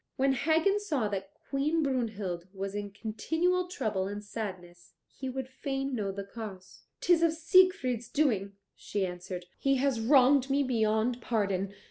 When Hagen saw that Queen Brunhild was in continual trouble and sadness he would fain know the cause. "'Tis of Siegfried's doing," she answered. "He has wronged me beyond pardon."